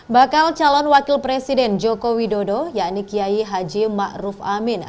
bakal calon wakil presiden joko widodo yakni kiai haji ma'ruf amin